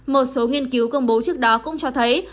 một số nghiên cứu công bố trước đó cũng cho thấy